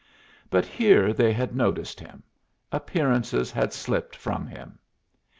But here they had noticed him; appearances had slipped from him.